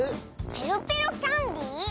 ペロペロキャンディー？